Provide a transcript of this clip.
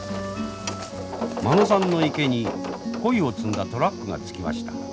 間野さんの池に鯉を積んだトラックが着きました。